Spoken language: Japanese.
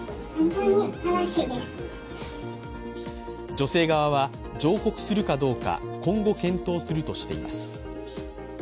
女性側は上告するかどうか今後検討するとしています。